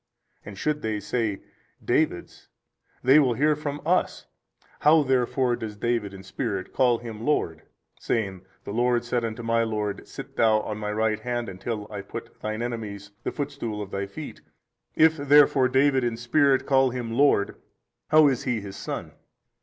and should they say, David's, they will hear from us, How therefore does David in spirit call Him. Lord saying, The Lord said unto my Lord, Sit Thou on My Right Hand until I put Thine enemies the footstool of Thy Feet? if therefore David in spirit 25 call Him Lord, how is He his Son?